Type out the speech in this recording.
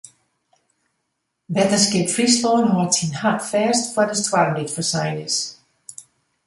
Wetterskip Fryslân hâldt syn hart fêst foar de stoarm dy't foarsein is.